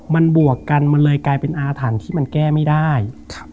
มันบวกกันมันเลยกลายเป็นอาถรรพ์ที่มันแก้ไม่ได้ครับ